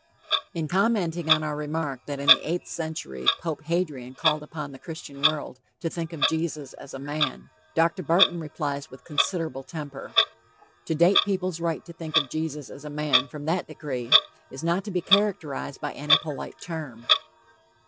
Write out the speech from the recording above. In commenting on our remark that in the eighth century "Pope Hadrian called upon the Christian world to think of Jesus as a man," Dr. Barton replies with considerable temper: "To date people's right to think of Jesus as a man from that decree is not to be characterized by any polite term."